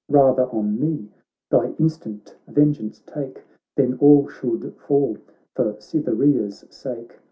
Rather on me thy instant vengeance take Than all should fall for Cytherea's sake